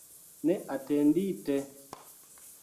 Neatendite.